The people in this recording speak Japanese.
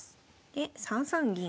で３三銀。